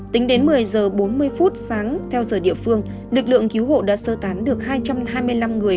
tính đến một mươi h bốn mươi phút sáng theo giờ địa phương lực lượng cứu hộ đã sơ tán được hai trăm hai mươi năm người